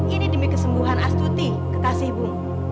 ini demi kesembuhan astuti kekasih bu